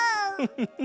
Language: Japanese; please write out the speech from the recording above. フフフ。